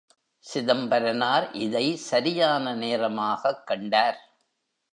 சிதம்பரனார் இதை சரியான நேரமாகக் கண்டார்.